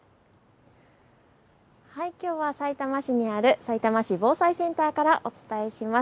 きょうはさいたま市にあるさいたま市防災センターからお伝えします。